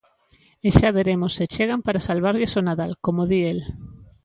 E xa veremos se chegan para salvarlles o Nadal, como di el.